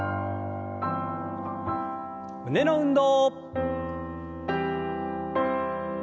胸の運動。